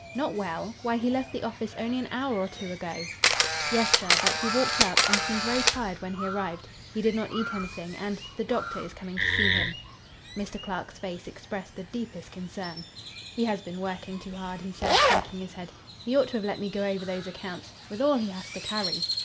"Not well! Why, he left the office only an hour or two ago." "Yes, sir; but he walked up, and seemed very tired when he arrived. He did not eat anything, and—the doctor is coming to see him." Mr. Clark's face expressed the deepest concern. "He has been working too hard," he said, shaking his head. "He ought to have let me go over those accounts. With all he has to carry!"